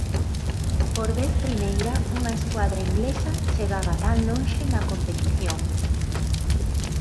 Por vez primeira unha escuadra inglesa chegaba tan lonxe na competición.